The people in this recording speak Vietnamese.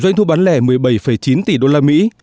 doanh thu bán lẻ một mươi bảy chín tỷ đô la mỹ